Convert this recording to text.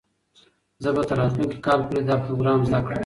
زه به تر راتلونکي کال پورې دا پروګرام زده کړم.